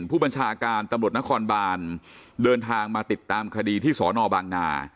ผู้บัญชาการตำรวจนครบานเดินทางมาติดตามคดีที่สอนอบางนา